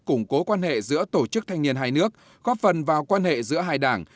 củng cố quan hệ giữa tổ chức thanh niên hai nước góp phần vào quan hệ giữa hai đảng